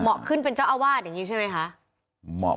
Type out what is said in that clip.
ขึ้นเป็นเจ้าอาวาสอย่างนี้ใช่ไหมคะ